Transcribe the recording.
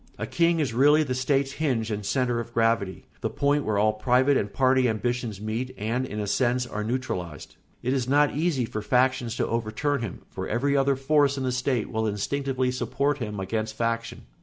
A king is really the state's hinge and centre of gravity, the point where all private and party ambitions meet and, in a sense, are neutralised. It is not easy for factions to overturn him, for every other force in the state will instinctively support him against faction.